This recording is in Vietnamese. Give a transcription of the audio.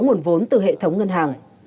nguồn vốn từ hệ thống ngân hàng